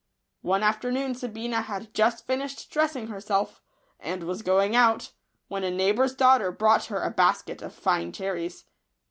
One afternoon Sabina had just finished dressing herself, and was going out, when a neighbour's daughter brought her a basket of fine cherries.